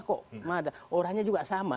kok orangnya juga sama